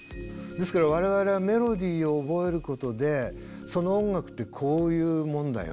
ですから我々はメロディーを覚えることでその音楽ってこういうもんだよね。